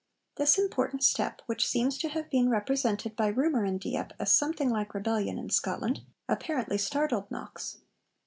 This important step, which seems to have been represented by rumour in Dieppe as something like rebellion in Scotland, apparently startled Knox.